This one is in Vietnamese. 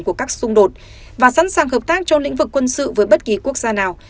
của các xung đột và sẵn sàng hợp tác trong lĩnh vực quân sự với bất kỳ quốc gia nào